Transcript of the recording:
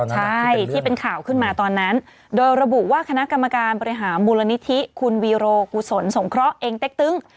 ใช่ที่เป็นข่าวขึ้นมาตอนนั้นโดยระบุว่าคณะกรรมการบริหารมูลนิธิคุณวีโรกุศลสงเคราะห์เองเต็กตึ้ง